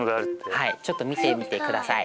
はいちょっと見てみてください。